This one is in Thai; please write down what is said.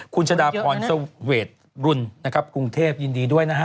คุณชะดาพรเสวดรุนนะครับกรุงเทพยินดีด้วยนะฮะ